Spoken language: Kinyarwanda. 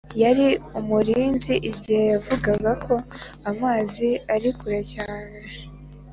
yari umurinzi igihe yavugaga ko amazi ari kure cyane.